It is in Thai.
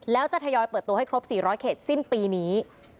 แล้วจะทยอยเปิดตัวให้ครบ๔๐๐เขตสิ้นปีนี้